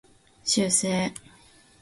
修正